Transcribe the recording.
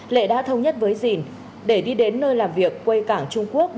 lệ đã thông nhất với dình để đi đến nơi làm việc quê cảng trung quốc